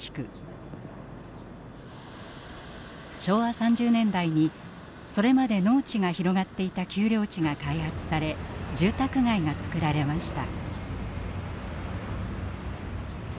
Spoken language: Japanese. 昭和３０年代にそれまで農地が広がっていた丘陵地が開発され住宅街がつくられました。